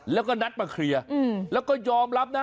แล้วก็นัดมาเคลียร์แล้วก็ยอมรับนะ